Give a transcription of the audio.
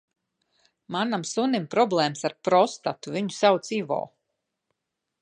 Manam sunim problēmas ar prostatu, viņu sauc Ivo.